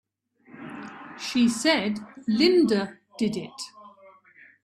She said Linda did it!